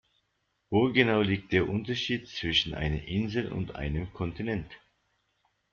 Wo genau liegt der Unterschied zwischen einer Insel und einem Kontinent?